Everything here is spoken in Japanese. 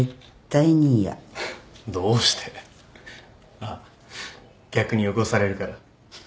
あっ逆に汚されるから？